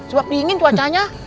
sebab dingin cuacanya